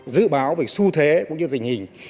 dự báo về xu thế cũng như tình hình